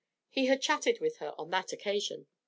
He had chatted with her on that occasion.